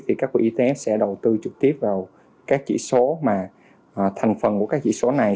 thì các quỹ etf sẽ đầu tư trực tiếp vào các chỉ số mà thành phần của các chỉ số này